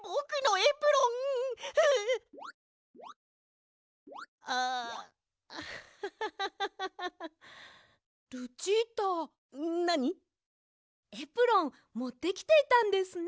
エプロンもってきていたんですね。